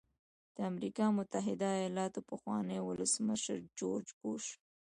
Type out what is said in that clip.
د امریکا متحده ایالاتو پخواني ولسمشر جورج بوش.